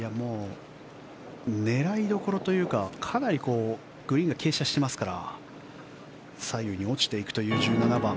狙いどころというかかなりグリーンが傾斜してますから左右に落ちていくという１７番。